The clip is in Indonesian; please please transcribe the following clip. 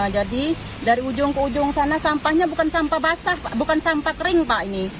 jadi dari ujung ke ujung sana sampahnya bukan sampah basah bukan sampah kering pak ini